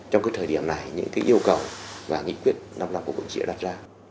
trong thời điểm này những yêu cầu và nghị quyết lòng lòng của bộ chính trị đã đặt ra